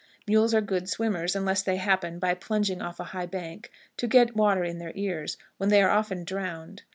Mules are good swimmers unless they happen, by plunging off a high bank, to get water in their ears, when they are often drowned.